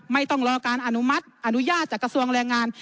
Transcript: ไม่ต้องรอการอนุมัติอนุญาตจากกระทรวงแรงงาน